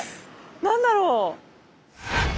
何だろう？